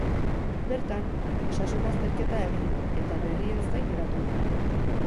Bertan, osasun-azterketa egin du, eta berrien zain geratu da.